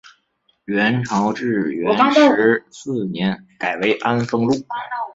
元朝至元十四年改为安丰路。